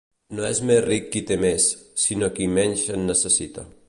No és més ric qui té més, sinó qui menys en necessita.